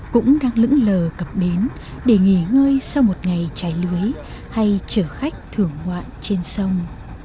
cũng đang lững lờ cập bến để nghỉ ngơi sau một ngày chảy lưới hay chở khách thưởng họa trên sông